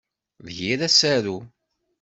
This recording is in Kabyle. D yir asaru.